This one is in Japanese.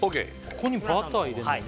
ここにバター入れんの？